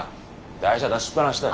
台車出しっ放しだよ。